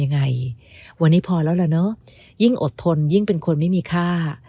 ยังไงวันนี้พอแล้วล่ะเนอะยิ่งอดทนยิ่งเป็นคนไม่มีค่า